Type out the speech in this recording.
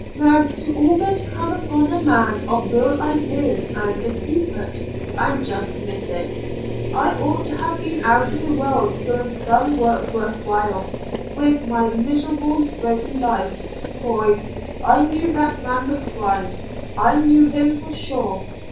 "Now, to almost come upon a man of real ideals and a secret, and just miss it. I ought to have been out in the world doing some work worth while with my miserable, broken life Boy! I knew that man McBride! I knew him for sure.